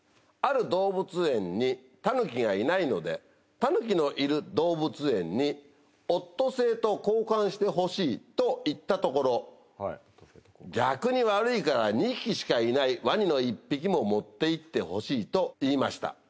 ある動物園にタヌキがいないのでタヌキのいる動物園にオットセイと「交換してほしい」と言ったところ逆に悪いから２匹しかいないワニの一匹も持っていって欲しいと言いました。